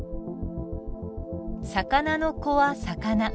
魚の子は魚。